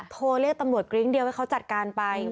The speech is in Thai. โทรเรียกตำรวจกริ้งเดียวให้เขาจัดการไป